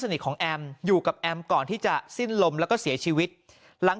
สนิทของแอมอยู่กับแอมก่อนที่จะสิ้นลมแล้วก็เสียชีวิตหลัง